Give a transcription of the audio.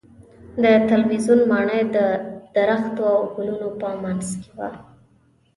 د تلویزیون ماڼۍ د درختو او ګلونو په منځ کې وه.